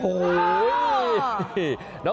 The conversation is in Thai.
โอ้โห